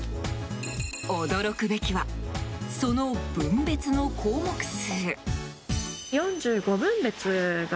驚くべきはその分別の項目数。